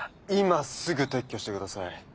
今すぐ撤去してください。